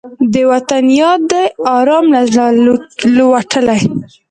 د وطن یاد دې ارام له زړه لوټلی